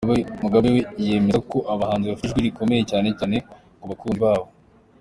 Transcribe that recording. Mugabe we yemeza ko abahanzi bafite ijwi rikomeye cyane cyane ku bakunzi babo.